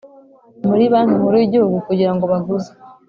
muri Banki Nkuru y Igihugu kugira ngo baguze